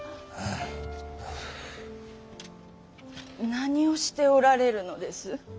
何をしておられるのです？